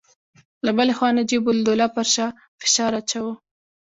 له بلې خوا نجیب الدوله پر شاه فشار اچاوه.